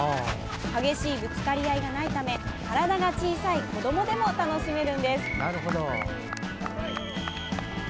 激しいぶつかり合いがないため体が小さい子どもでも楽しめるんです。